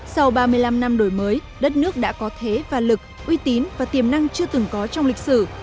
sau ba mươi năm năm đổi mới đất nước đã có thế và lực uy tín và tiềm năng chưa từng có trong lịch sử